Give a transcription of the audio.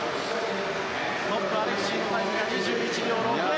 トップ、アレクシーのタイムが２１秒６０。